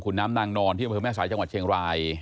คุณน้ำนางนอนที่อำเภอแม่สายจังหวัดเชียงราย